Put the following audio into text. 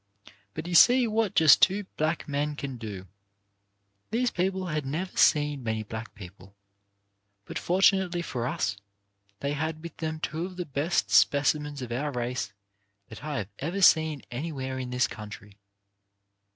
But you see what just two black men can do. These people had never seen many black people, but fortunately for us they had with them two of the best specimens of our race that I have ever seen anywhere in this country.